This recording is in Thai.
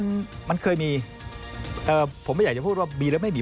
มันมันเคยมีเอ่อผมไม่อยากจะพูดว่ามีหรือไม่มี